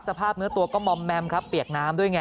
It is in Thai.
สภาพเนื้อตัวก็มอมแมมครับเปียกน้ำด้วยไง